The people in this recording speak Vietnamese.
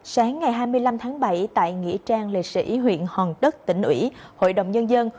sáng ngày hai mươi năm tháng bảy tại nghĩa trang liệt sĩ huyện hòn đất tỉnh ủy hội đồng nhân dân